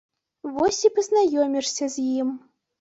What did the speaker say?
Вось і пазнаёмішся з ім.